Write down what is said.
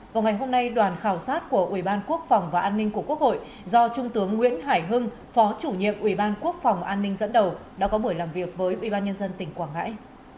vào ngày hôm nay đoàn khảo sát của ubnd của quốc hội do trung tướng nguyễn hải hưng phó chủ nhiệm ubnd dẫn đầu đã có buổi làm việc với ubnd tỉnh quảng ngãi